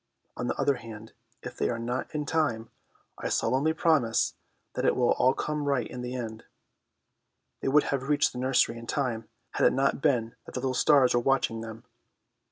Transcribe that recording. On the other hand, if they are not in time, I solemnly promise that it will all come right in the end. They would have reached the nursery in time had it not been that the little stars were watching them.